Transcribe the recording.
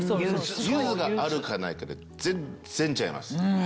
ゆずがあるかないかで全然違います。